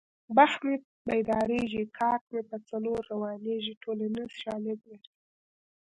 بخت مې پیدارېږي کاک مې په څلور روانېږي ټولنیز شالید لري